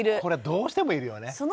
これどうしてもいるよね？